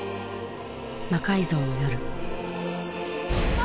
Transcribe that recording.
「魔改造の夜」